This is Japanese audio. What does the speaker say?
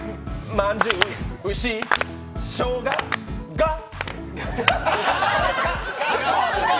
まんじゅう、牛、しょうが、がっ！